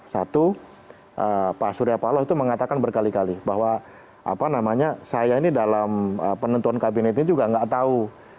satu pak surya paloh itu mengatakan berkali kali bahwa saya ini dalam penentuan kabinet ini juga nggak tahu